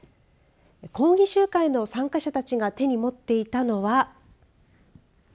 抗議集会の参加者たちが手に持っていたのは。